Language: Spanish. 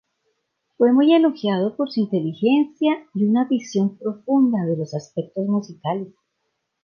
Fue muy elogiado por su inteligencia y una visión profunda de los aspectos musicales.